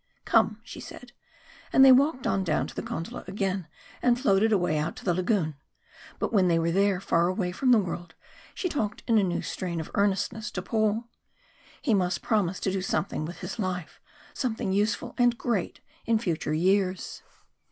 "Come!" she said, and they walked on down to the gondola again, and floated away out to the lagoon. But when they were there, far away from the world, she talked in a new strain of earnestness to Paul. He must promise to do something with his life something useful and great in future years.